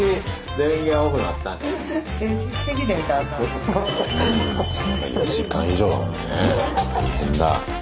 大変だ。